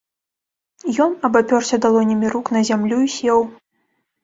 Ён абапёрся далонямі рук на зямлю і сеў.